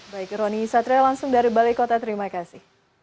baik roni satria langsung dari balai kota terima kasih